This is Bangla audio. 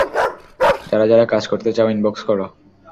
যারা যারা কাজ করতে চাও, ইনবক্স করো।